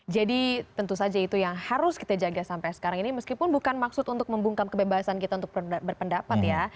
tentu saja itu yang harus kita jaga sampai sekarang ini meskipun bukan maksud untuk membungkam kebebasan kita untuk berpendapat ya